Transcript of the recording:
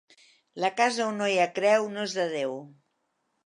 La casa on no hi ha creu no és de Déu.